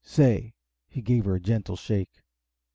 Say!" He gave her a gentle shake.